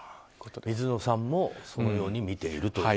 水野さんもそのように見ていると。